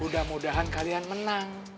udah mudahan kalian menang